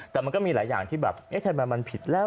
แต่มันก็มีหลายอย่างว่ามันผิดแล้ว